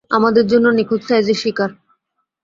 আমাদের জন্য নিখুঁত সাইজের শিকার।